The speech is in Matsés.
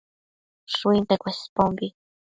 Shuinte Cuespombi